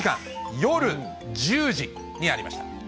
夜１０時にありました。